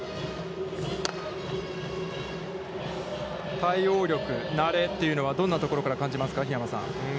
対応力、なれというのはどんなところから感じますか、桧山さん。